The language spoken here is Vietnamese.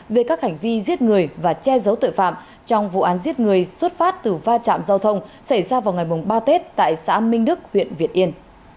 về các hành vi giết người và che giấu tội phạm trong vụ án giết người xuất phát từ va chạm giao thông xảy ra vào ngày ba tết tại xã minh đức huyện việt yên